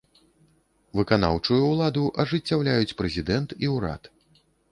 Выканаўчую ўладу ажыццяўляюць прэзідэнт і ўрад.